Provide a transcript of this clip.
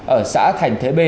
ở xã thành thế b